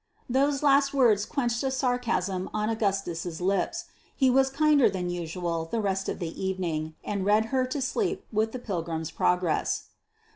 Those last words quenched a sarcasm on Augustus' lips. He was kinder than usual the rest of the evening, and read her to sleep with the Pilgrim's Progress.